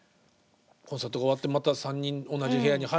コンサートが終わってまた３人同じ部屋に入って。